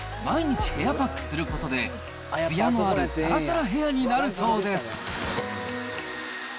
毎日、ヘアパックすることで、つやのあるさらさらヘアになるそうです。